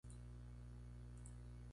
Martin se negó.